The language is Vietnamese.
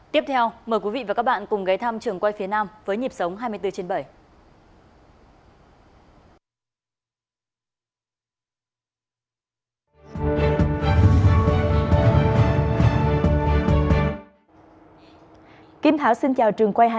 tiếp theo mời quý vị và các bạn cùng ghé thăm trường quay phía nam với nhịp sống hai mươi bốn trên bảy